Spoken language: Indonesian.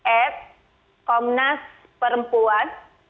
at komnas perempuan